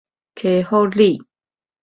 溪福里